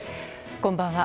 こんばんは。